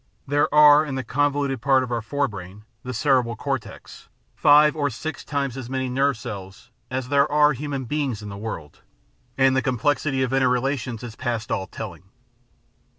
There are in the convoluted part of our fore brain (the cerebral cortex) five The Science of the Mind 543 or six times as many nerve cells as there are human beings in the world, and the complexity of inter relations is past aU telling.